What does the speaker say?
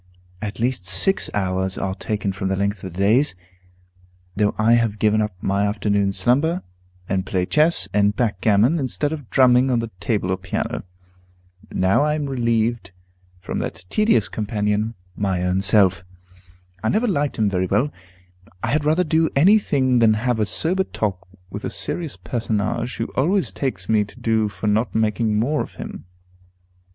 At least six hours are taken from the length of the days, though I have given up my afternoon slumber, and play chess and backgammon instead of drumming on the table or piano. Now am I relieved from that tedious companion, my own self. I never liked him very well; I had rather do any thing than have a sober talk with a serious personage, who always takes me to do for not making more of him.